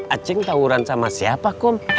acing tawuran sama siapa kom